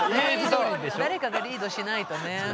そう誰かがリードしないとね。